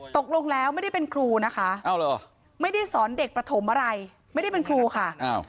ตกลงแล้วไม่ได้เป็นครูนะคะไม่ได้สอนเด็กประถมอะไรไม่ได้เป็นครูค่ะ